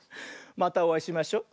またおあいしましょ。